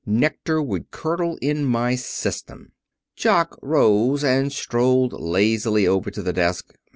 Nectar would curdle in my system." Jock rose and strolled lazily over to the desk.